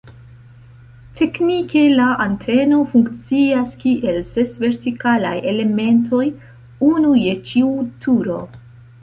Teknike la anteno funkcias kiel ses vertikalaj elementoj, unu je ĉiu turo.